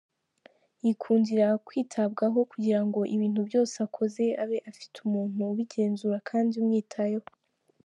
Yikundira kwitabwaho kugira ngo ibintu byose akoze abe afite umuntu ubigenzura kandi umwitayeho.